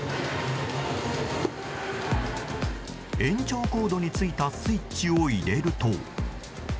延長コードについたスイッチを入れると。